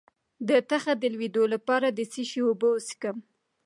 د تخه د لوییدو لپاره د څه شي اوبه وڅښم؟